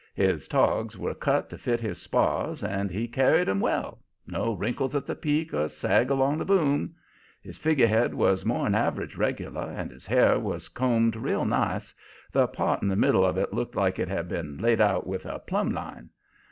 His togs were cut to fit his spars, and he carried 'em well no wrinkles at the peak or sag along the boom. His figurehead was more'n average regular, and his hair was combed real nice the part in the middle of it looked like it had been laid out with a plumb line.